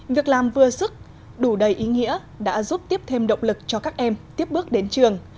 việc làm vừa sức đủ đầy ý nghĩa đã giúp tiếp thêm động lực cho các em tiếp bước đến trường